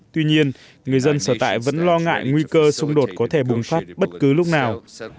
tuy nhiên người dân sở tại vẫn lo ngại nguy cơ xung đột có thể bùng phát bất cứ lúc nào